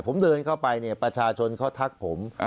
ผมเดินเข้าไปเนี่ยประชาชนเขาทักผม